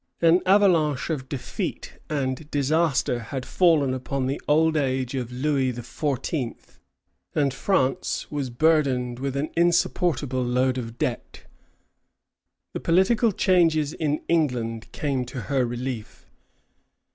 An avalanche of defeat and disaster had fallen upon the old age of Louis XIV., and France was burdened with an insupportable load of debt. The political changes in England came to her relief.